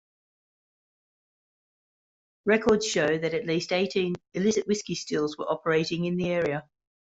Records show that at least eighteen illicit whisky stills were operating in the area.